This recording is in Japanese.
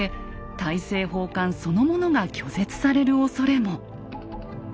大政奉還そのものが拒絶されるおそれも。